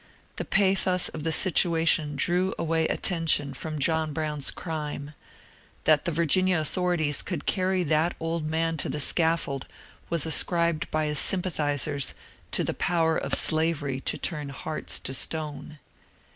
The pathos of the situa tion drew away attention from John Brown's crime ; that the Virginia authorities could carry that old man to the scaffold was ascribed by his sympathizers to the power of slavery to turn hearts to stone.